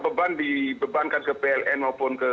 beban dibebankan ke pln maupun ke